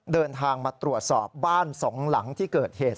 เดินทางมาตรวจสอบบ้านสองหลังที่เกิดเหตุ